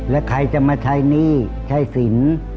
แล้วใครจะมาใช้หนี้ใช้สิน